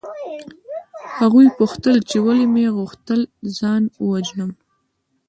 هغوی پوښتل چې ولې مې غوښتل ځان ووژنم